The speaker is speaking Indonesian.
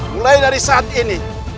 mulai dari saat ini